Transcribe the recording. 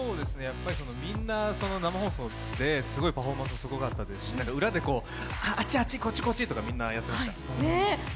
みんな生放送なんで、パフォーマンスすごかったですし裏で、あっちあっち、こっちこっちとか、みんなやってました。